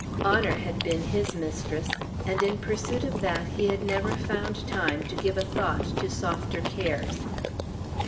Honor had been his mistress, and in pursuit of that he had never found time to give a thought to softer cares.